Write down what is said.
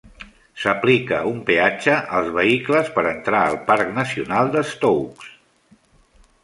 S'aplica un peatge als vehicles per entrar al Parc Nacional de Stokes.